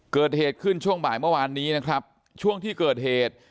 เกิดเหตุขึ้นช่วงบ่ายเมื่อวานนี้นะครับช่วงที่เกิดเหตุ